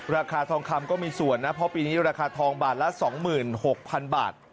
ราคาทองคำก็มีส่วนนะเพราะปีนี้ราคาทองบาทละ๒๖๐๐๐บาท